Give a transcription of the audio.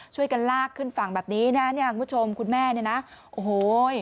ช่วยกันลากขึ้นฝั่งแบบนี้นะเนี่ยคุณผู้ชมคุณแม่เนี่ยนะโอ้โห